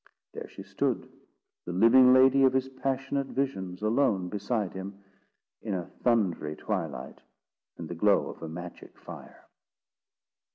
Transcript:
There she stood, the living lady of his passionate visions, alone beside him, in a thundery twilight, and the glow of a magic fire.